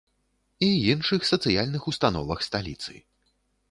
І іншых сацыяльных установах сталіцы.